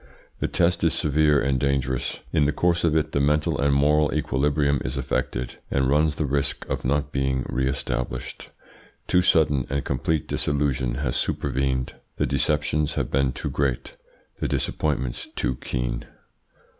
The test is severe and dangerous. In the course of it the mental and moral equilibrium is affected, and runs the risk of not being re established. Too sudden and complete disillusion has supervened. The deceptions have been too great, the disappointments too keen."